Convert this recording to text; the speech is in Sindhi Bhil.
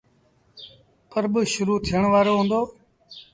پرٻ شروٚ ٿيڻ وآرو هُݩدو